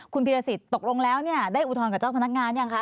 คุณพีรสิทธิ์ตกลงแล้วเนี่ยได้อุทธรณ์กับเจ้าพนักงานยังคะ